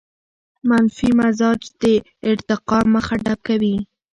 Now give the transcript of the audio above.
منفي مزاج د ارتقاء مخه ډب کوي.